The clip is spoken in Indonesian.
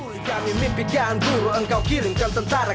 oleh kami mimpikan buru engkau kirimkan tentara